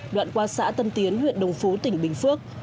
đoạn qua xã tân tiến huyện đồng phú tỉnh bình phước